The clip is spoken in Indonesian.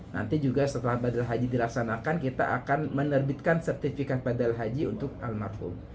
nanti juga setelah badal haji dilaksanakan kita akan menerbitkan sertifikat pedal haji untuk almarhum